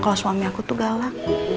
kalau suami aku tuh galak